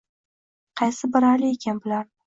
Qaysi biri Ali ekan bularni